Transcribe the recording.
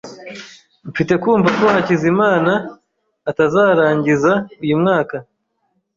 Mfite kumva ko Hakizimana atazarangiza uyu mwaka.